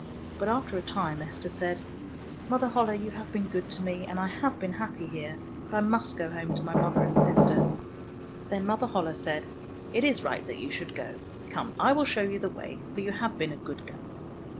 But after a time Esther said, " Mother Holle, you have been good to me, and I have been happy here, but I must go home to my mother and sister." Then Mother Holle said, " It is right that you should go. Come, I will show you the way, for you have been a good girl."